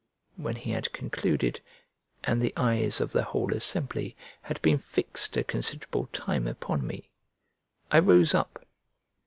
When he had concluded, and the eyes of the whole assembly had been fixed a considerable time upon me, I rose up.